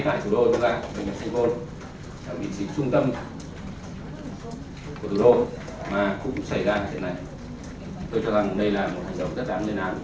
tôi cho rằng đây là một hành động rất đáng lên án